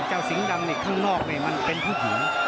เจ้าสิงห์ดำในนี้ข้างนอกนั้นเป็นผู้หิน